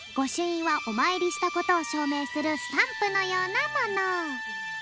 いんはおまいりしたことをしょうめいするスタンプのようなもの。